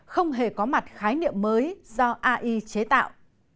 không hề có mặt khái niệm mới do ai chế tạo